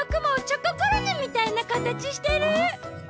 チョココロネみたいなかたちしてる！